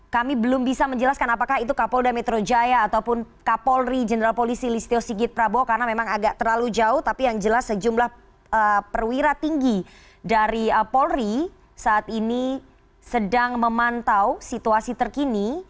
kami belum bisa menjelaskan apakah itu kapolda metro jaya ataupun kapolri jenderal polisi listio sigit prabowo karena memang agak terlalu jauh tapi yang jelas sejumlah perwira tinggi dari polri saat ini sedang memantau situasi terkini